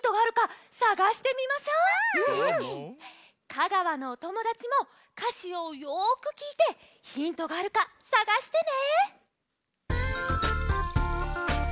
香川のおともだちもかしをよくきいてヒントがあるかさがしてね！